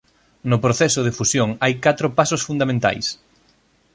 No proceso de fusión hai catro pasos fundamentais.